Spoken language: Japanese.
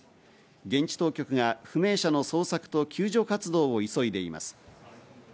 現地当局が不明者の捜索と救助活動を急いでいます。